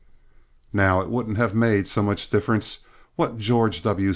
Now it wouldn't have made so much difference what George W.